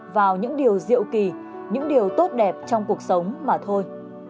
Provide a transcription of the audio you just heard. vào những điều diệu kỳ những điều tốt đẹp trong cuộc sống mà thôi